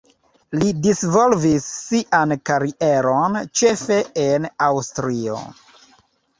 Li disvolvis sian karieron ĉefe en Aŭstrio.